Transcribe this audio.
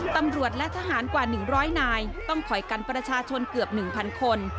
ตำรวจและทหารกว่า๑๐๐นายต้องคอยกันประชาชนเกือบ๑๐๐คน